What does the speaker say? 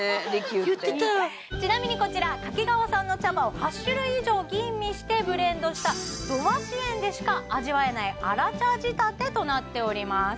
利休ってちなみにこちら掛川産の茶葉を８種類以上吟味してブレンドした土橋園でしか味わえないとなっております